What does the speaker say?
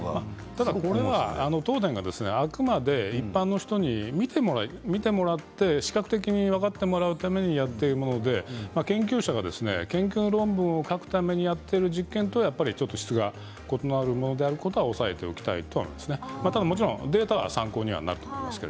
ただこれは東電があくまで一般の人に見てもらって視覚的に分かってもらうためにやっているもので研究者が研究論文を書くためにやっている実験とは、やっぱりちょっと質が異なるものであることは押さえておきたいとは思いますね。